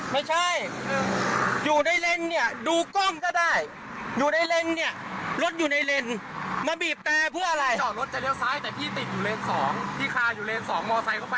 พี่ค่าอยู่เลน๒มอเตอร์ไซค์เขาไปไม่ได้